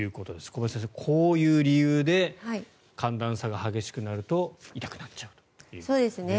小林先生、こういう理由で寒暖差が激しくなると痛くなっちゃうということですね。